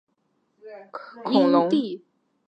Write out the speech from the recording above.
灵鳄的特点在于它非常类似似鸟龙科恐龙。